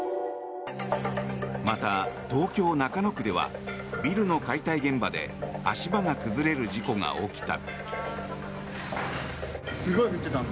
また、東京・中野区ではビルの解体現場で足場が崩れる事故が起きた。